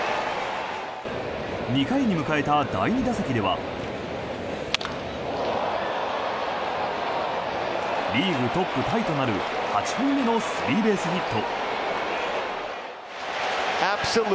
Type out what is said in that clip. ２回に迎えた第２打席ではリーグトップタイとなる８本目のスリーベースヒット。